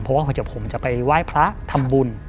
เพราะว่าเดี๋ยวผมจะไปไหว้พระทำบุญ